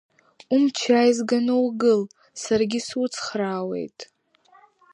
Умч ааизганы угыл, саргьы суцхраауеит!